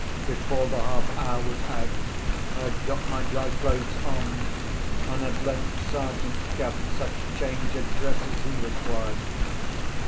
Before the half hour was out, I had got my dry clothes on, and had lent Sergeant Cuff such change of dress as he required.